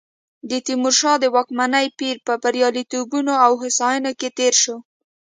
د تیمورشاه د واکمنۍ پیر په بریالیتوبونو او هوساینو کې تېر شو.